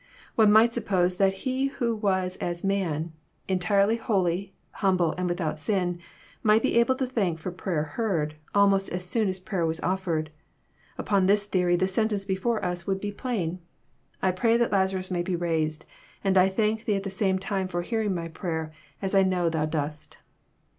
One might suppose that One who was as man, entirely holy, humble, and without sin, might be able to thank for prayer heard, almost as soon as prayer was offered. Upon this theory the sentence before us would be plain :<* I pray that Lazarus may be raised ; and I thank Thee at the same time for hearing my prayer, as I know Thou dost."